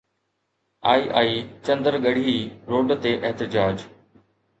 II Chandar Garhi road تي احتجاج